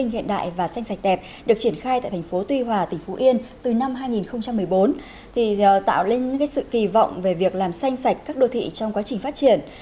hiện đại và xanh sạch đẹp được triển khai tại thành phố tuy hòa tỉnh phú yên từ năm hai nghìn một mươi bốn tạo lên những sự kỳ vọng về việc làm xanh sạch các đô thị trong quá trình phát triển